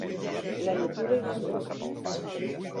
La natura i l'entorn